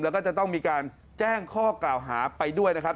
แล้วก็จะต้องมีการแจ้งข้อกล่าวหาไปด้วยนะครับ